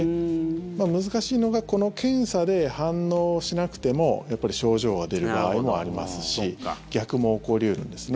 難しいのがこの検査で反応しなくても症状は出る場合もありますし逆も起こり得るんですね。